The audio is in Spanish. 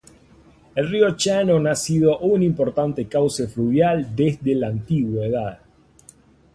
El río Shannon ha sido un importante cauce fluvial desde la antigüedad.